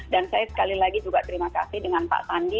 dan saya sekali lagi juga terima kasih dengan pak sandi